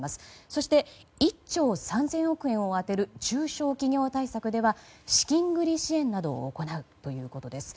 そして１兆３０００億円を充てる中小企業対策では資金繰り支援などを行うということです。